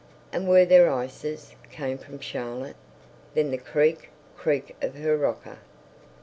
"And were there ices?" came from Charlotte. Then the creak, creak of her rocker.